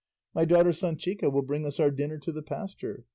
My daughter Sanchica will bring us our dinner to the pasture.